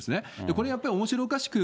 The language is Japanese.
これやっぱり、おもしろおかしく